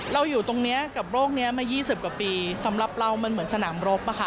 อยู่ตรงนี้กับโรคนี้มา๒๐กว่าปีสำหรับเรามันเหมือนสนามรบอะค่ะ